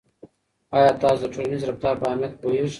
آیا تاسو د ټولنیز رفتار په اهمیت پوهیږئ.